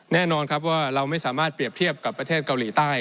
แน่นอนครับว่าเราไม่สามารถเปรียบเทียบกับประเทศเกาหลีใต้